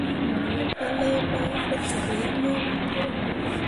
Mo yo palai mai pu cok yeb iŋ ne.